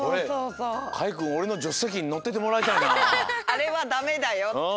あれはだめだよってね。